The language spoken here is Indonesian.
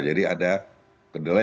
jadi ada kedelai